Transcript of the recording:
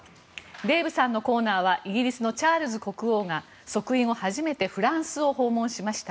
デーブさんのコーナーはイギリスのチャールズ国王が即位後初めてフランスを訪問しました。